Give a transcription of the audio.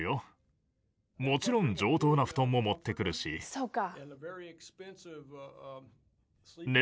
そうか。